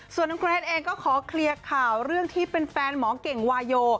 ส่วนน้องเกรทเองก็ขอเคลียร์ข่าวเรื่องที่เป็นแฟนหมอเก่งวาโย